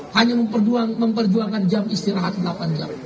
hanya memperjuangkan jam istirahat delapan jam